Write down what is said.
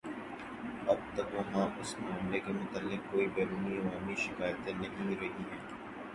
اب تک وہاں اس معاملے کے متعلق کوئی بیرونی عوامی شکایتیں نہیں رہی ہیں